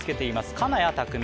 金谷拓実。